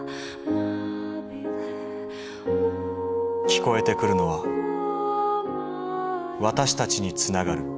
聞こえてくるのは私たちにつながる命のうた。